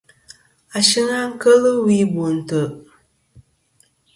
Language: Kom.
Ashɨng a kel wi Bo ntè.